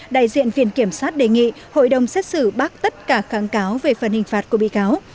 đại diện viện kiểm sát đề nghị hội đồng xét xử bác tất cả kháng cáo về phần hình phạt của bị cáo